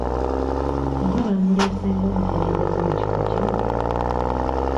Oba baamuleese ng'omukulembeze mu kifo kino?